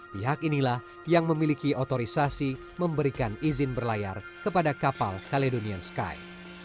pihak inilah yang memiliki otorisasi memberikan izin berlayar kepada kapal caledonian sky